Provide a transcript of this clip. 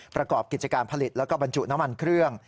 ประกอบกิจการผลิตแล้วก็บรรจุน้ำมันเครื่อง